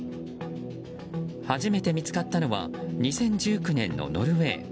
初めて見つかったのは２０１９年のノルウェー。